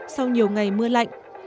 sau nhiều ngày mưa lạnh